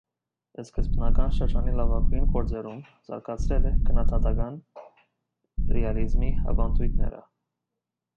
Սկզբնական շրջանի լավագույն գործերում զարգացրել է քննադատական ռեալիզմի ավանդույթները։